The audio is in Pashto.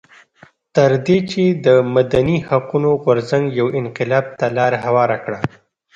تر دې چې د مدني حقونو غورځنګ یو انقلاب ته لار هواره کړه.